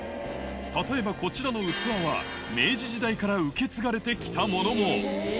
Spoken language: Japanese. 例えばこちらの器は、明治時代から受け継がれてきたものも。